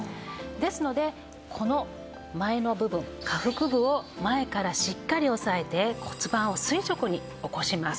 ですのでこの前の部分下腹部を前からしっかり押さえて骨盤を垂直に起こします。